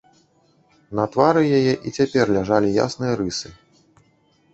На твары яе і цяпер ляжалі ясныя рысы.